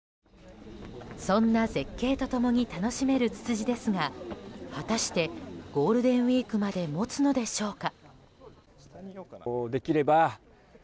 そんな絶景と共に楽しめるツツジですが果たしてゴールデンウィークまで持つのでしょうか。